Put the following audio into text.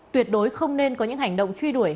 tuyệt đối không nên có những hành động truy đuổi